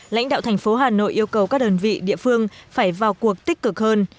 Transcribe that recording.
lãnh đạo thành phố hà nội yêu cầu các đơn vị địa phương phải vào cuộc tích cực hơn